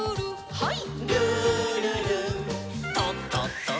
はい。